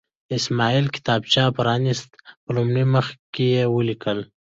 اسماعیل کتابچه پرانسته، په لومړي مخ یې لیکلي وو.